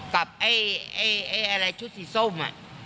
กับไอ้ชุดสีส้ม